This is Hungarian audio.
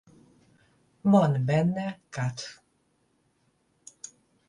Van benne kath.